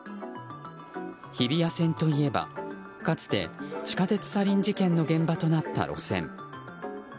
日比谷線といえばかつて地下鉄サリン事件の現場となった路線。